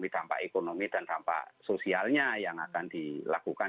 dampak ekonomi dan dampak sosialnya yang akan dilakukan